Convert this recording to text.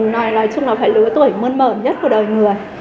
nói chung là phải lứa tuổi mơn mờ nhất của đời người